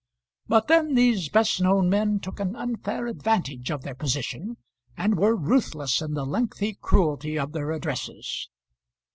But then these best known men took an unfair advantage of their position, and were ruthless in the lengthy cruelty of their addresses.